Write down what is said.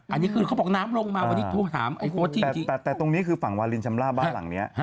อันนี้คือเขาบอกน้ำลงมาวันนี้โทรถามแต่ตรงนี้คือฝั่งวาลินชำลาบบ้านหลังนี้